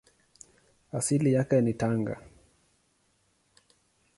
Asili yake ni Tanga.